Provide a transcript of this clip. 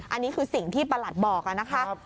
อันนี้คือสิ่งที่ปรัติบอกนะครับ